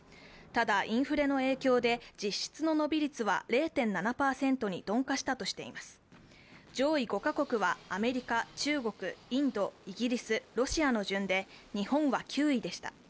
ただ、インフレの影響で実質の伸び率は０．７％に鈍化したとしています上位５カ国はアメリカ、中国、インドイギリス、ロシアの順で日本は９位でした。